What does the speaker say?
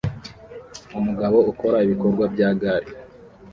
Umugabo ukora ibikorwa bya gari